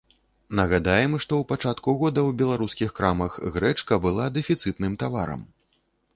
Нагадаем, што ў пачатку года ў беларускіх крамах грэчка была дэфіцытным таварам.